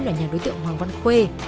là nhà đối tượng hoàng văn khuê